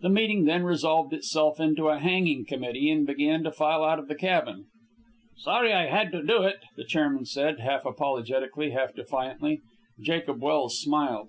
The meeting then resolved itself into a hanging committee, and began to file out of the cabin. "Sorry I had to do it," the chairman said, half apologetically, half defiantly. Jacob Welse smiled.